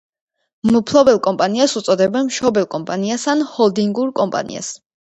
მფლობელ კომპანიას უწოდებენ მშობელ კომპანიას ან ჰოლდინგურ კომპანიას.